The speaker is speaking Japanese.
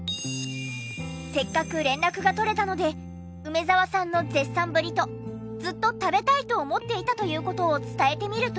せっかく連絡が取れたので梅沢さんの絶賛ぶりとずっと食べたいと思っていたという事を伝えてみると。